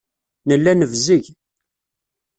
Nella nebzeg.